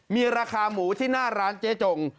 มีราคาหมูที่หน้าร้านเจ๊จง